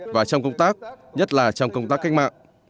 và trong công tác nhất là trong công tác cách mạng